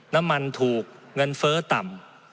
น้ำมันถูกเงินเฟ้อต่ำ